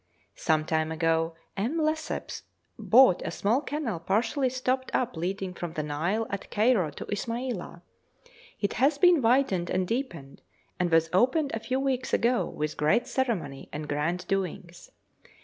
Some time ago M. Lesseps bought a small canal partially stopped up leading from the Nile at Cairo to Ismailia. It has been widened and deepened, and was opened a few weeks ago with great ceremony and grand doings.